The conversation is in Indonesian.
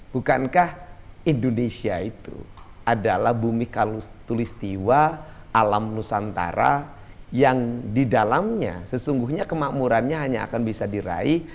bukankah indonesia itu adalah bumi tulis tiwa alam nusantara yang didalamnya sesungguhnya kemakmurannya hanya akan bisa diraih